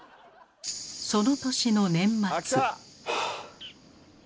その年の年末。